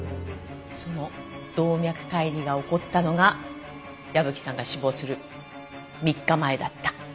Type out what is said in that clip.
その動脈解離が起こったのが矢吹さんが死亡する３日前だった。